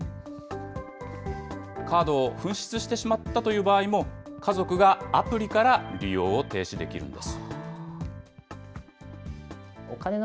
カードを紛失してしまったという場合も、家族がアプリから利用を停止できるんです。